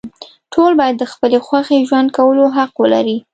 ټول باید د خپلې خوښې ژوند کولو حق ولري.